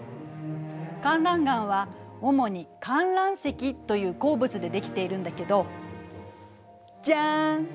かんらん岩はおもに「かんらん石」という鉱物でできているんだけどジャン！